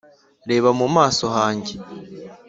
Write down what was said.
reba mu maso hanjye